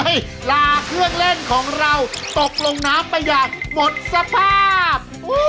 ลาเครื่องเล่นของเราตกลงน้ำไปอย่างหมดสภาพ